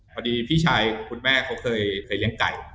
พี่ชายของคุณแม่เคยเลี้ยงไก่